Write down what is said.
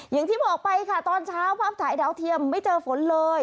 อย่างที่บอกไปค่ะตอนเช้าภาพถ่ายดาวเทียมไม่เจอฝนเลย